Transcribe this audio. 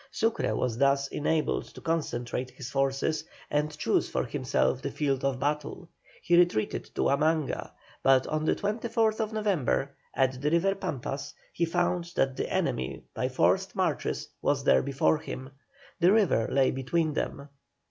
Sucre was thus enabled to concentrate his forces, and choose for himself the field of battle. He retreated on Huamanga, but on the 24th November, at the river Pampas, he found that the enemy by forced marches was there before him. The river lay between them.